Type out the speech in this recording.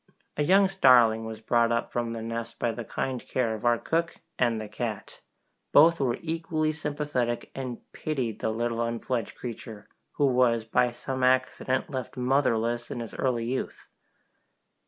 A young starling was brought up from the nest by the kind care of our cook and the cat! Both were equally sympathetic, and pitied the little unfledged creature, who was by some accident left motherless in his early youth.